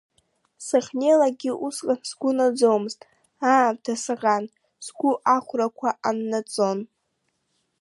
Сахьнеилакгьы усҟан сгәы наӡомызт, аамҭа саӷан сгәы ахәрақәа аннаҵон.